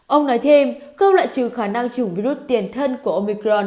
ông nói thêm các loại trừ khả năng chủng virus tiền thân của omicron